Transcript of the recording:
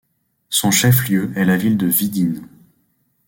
Son chef-lieu est la ville de Vidin.